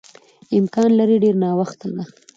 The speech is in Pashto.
امکان لري ډېر ناوخته ده.